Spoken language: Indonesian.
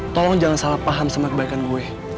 tolong jangan salah paham sama kebaikan gue